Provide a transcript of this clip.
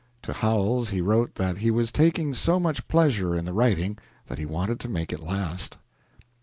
To Howells he wrote that he was taking so much pleasure in the writing that he wanted to make it last.